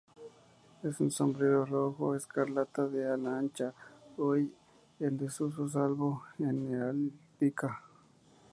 Es un sombrero rojo escarlata de ala ancha, hoy en desuso salvo en heráldica.